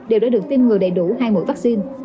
đều đã được tiêm ngừa đầy đủ hai mẫu vaccine